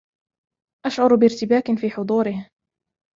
أشعر بارتباكٍ في حضوره.